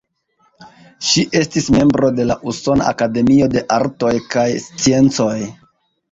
Ŝi estis membro de la Usona Akademio de Artoj kaj Sciencoj.